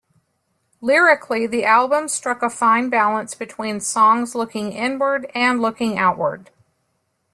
Lyrically the album struck a fine balance between songs looking inward and looking outward.